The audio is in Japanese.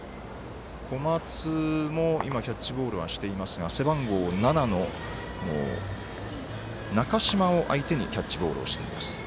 小松も今、キャッチボールをしていますが背番号７の中嶋を相手にキャッチボールをしています。